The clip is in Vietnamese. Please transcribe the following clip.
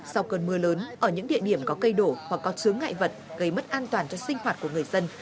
sau cơn mưa lớn ở những địa điểm có cây đổ hoặc có chứa ngại vật gây mất an toàn cho sinh hoạt của người dân